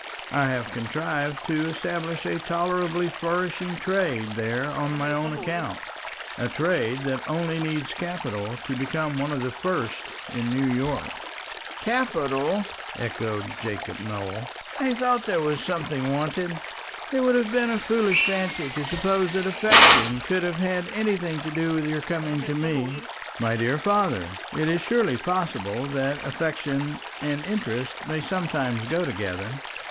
I have contrived to establish a tolerably flourishing trade there on my own account; a trade that only needs capital to become one of the first in New York." "Capital!" echoed Jacob Nowell; "I thought there was something wanted. It would have been a foolish fancy to suppose that affection could have had anything to do with your coming to me." "My dear father, it is surely possible that affection and interest may sometimes go together.